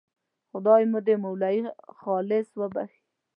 خدای دې مولوي خالص وبخښي.